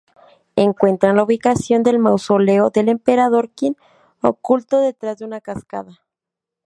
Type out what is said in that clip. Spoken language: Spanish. Encuentran la ubicación del mausoleo del emperador Qin, oculto detrás de una cascada.